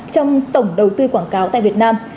trong tổng đầu tư quảng cáo tại việt nam